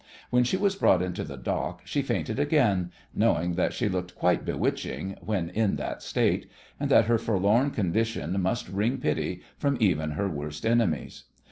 When she was brought into the dock she fainted again, knowing that she looked quite bewitching when in that state, and that her forlorn condition must wring pity from even her worst enemies.